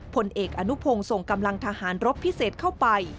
ผลเอกอนุพงศ์ส่งกำลังทหารรบพิเศษเข้าไป